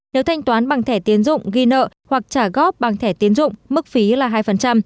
nếu thanh toán bằng thẻ tiến dụng ghi nợ hoặc trả góp bằng thẻ tiến dụng mức phí là hai